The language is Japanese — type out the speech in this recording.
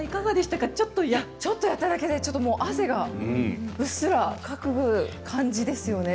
ちょっとやっただけで汗がうっすらかく感じですよね。